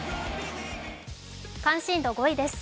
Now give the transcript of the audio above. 関心度５位です。